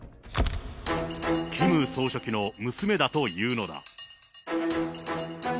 キム総書記の娘だというのだ。